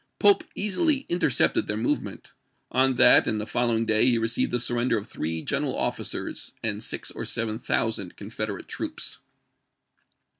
Pope easily inter cepted their movement ; on that and the following Haueck, day he received the surrender of three general iget^^^k officers and six or seven thousand Confederate p! 675. " troops.